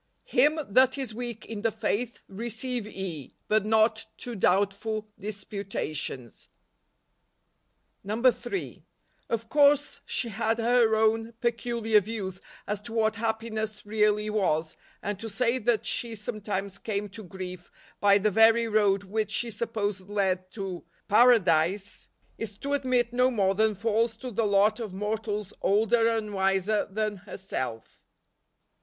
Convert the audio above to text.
" Him that is weak in the faith receive ye, but not to doubtful disputations." 123 lL'4 NOVEMBER. 3. " Of course she had her own peculiar views as to what happiness really was, and to say that she sometimes came to grief by the very road which she supposed led to Paradise, is to admit no more than falls to the lot of mortals older and wiser than her¬ self."